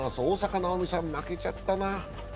大坂なおみさん、負けちゃったな。